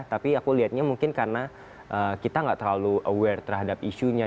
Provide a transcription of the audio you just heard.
tapi aku lihatnya mungkin karena kita gak terlalu aware terhadap isunya